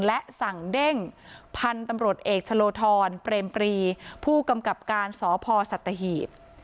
และสั่งเต้นท่านท่านต้มรตเอกโฉลทรปลนปลีผู้กำกับการสพสัตทหีบ